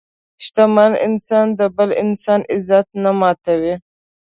شتمن انسان د بل انسان عزت نه ماتوي.